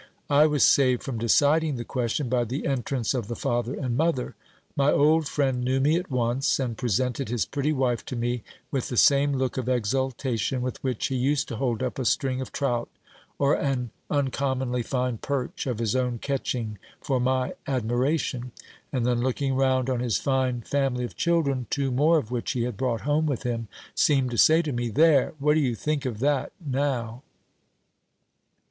I was saved from deciding the question by the entrance of the father and mother. My old friend knew me at once, and presented his pretty wife to me with the same look of exultation with which he used to hold up a string of trout or an uncommonly fine perch of his own catching for my admiration, and then looking round on his fine family of children, two more of which he had brought home with him, seemed to say to me, "There! what do you think of that, now?"